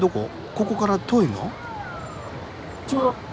ここから遠いの？